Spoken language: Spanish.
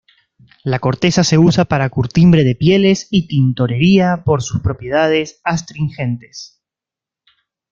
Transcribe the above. La corteza se usa para curtiembre de pieles y tintorería por sus propiedades astringentes.